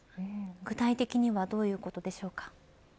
具体的にはどういうことでしょうか。